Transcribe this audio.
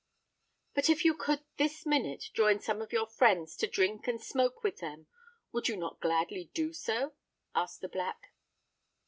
"But if you could this minute join some of your old friends to drink and smoke with them, would you not gladly do so?" asked the Black.